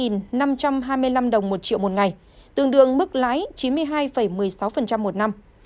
tương đương bức lãi chín mươi một hai mươi năm đồng một triệu một ngày tương đương bức lãi chín mươi hai một mươi sáu một năm